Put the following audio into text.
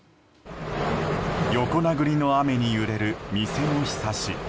横殴りの雨に揺れる店のひさし。